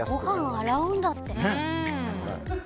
ご飯を洗うんだって。